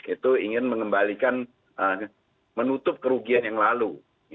itu ingin menutup kerugian yang lalu